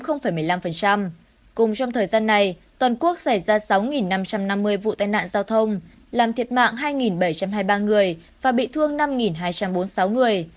cùng trong thời gian này toàn quốc xảy ra sáu năm trăm năm mươi vụ tai nạn giao thông làm thiệt mạng hai bảy trăm hai mươi ba người và bị thương năm hai trăm bốn mươi sáu người